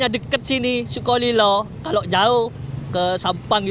dekat ini naik sudah nyampe nanti